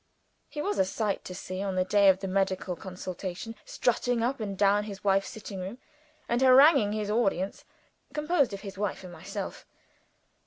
He was a sight to see, on the day of the medical consultation; strutting up and down his wife's sitting room, and haranguing his audience composed of his wife and myself.